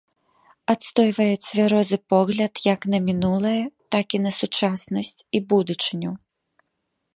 Адстойвае цвярозы погляд як на мінулае, так і на сучаснасць і будучыню.